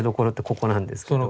ここなんですけど。